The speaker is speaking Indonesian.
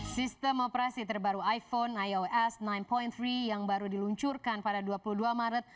sistem operasi terbaru iphone ios sembilan tiga yang baru diluncurkan pada dua puluh dua maret